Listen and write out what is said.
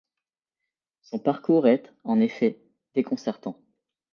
Son parcours est, en effet, déconcertant.